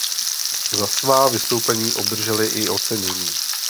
Za svá vystoupení obdrželi i ocenění.